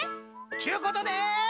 ちゅうことで。